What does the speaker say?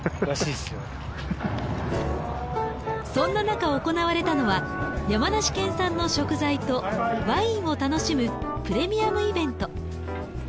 そんななか行われたのは山梨県産の食材とワインを楽しむプレミアムイベント。